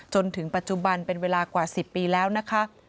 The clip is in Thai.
จนถึงปัจจุบันเป็นเวลากว่า๑๐ปีแล้วนะคะ